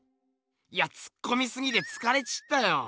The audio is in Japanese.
いやツッコミすぎてつかれちったよ。